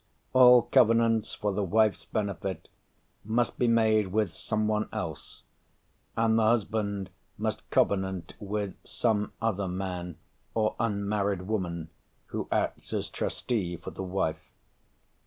All covenants for the wife's benefit must be made with some one else, and the husband must covenant with some other man or unmarried woman who acts as trustee for the wife.